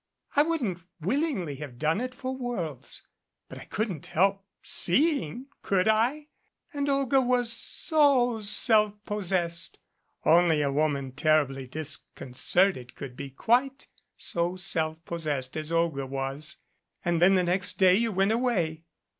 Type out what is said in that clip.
I wouldn't willingly have done it for worlds. But I couldn't help seeing, could I? And Olga was so self possessed! Only a woman terribly disconcerted could be quite so self possessed as Olga was. And then the next day you went away.